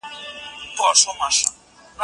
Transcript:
که باران وي نو موږ به په کور کې لوبې وکړو.